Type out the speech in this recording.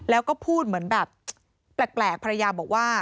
แล้วก็พูดเหมือนแบบแปลกภรรยาบอกว่า